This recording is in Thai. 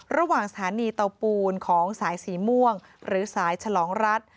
ระหว่างสถานีเตาปูนของสายสีม่วงหรือสายฉลองรัฐ